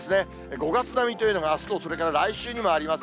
５月並みというのがあすとそれから来週にもあります。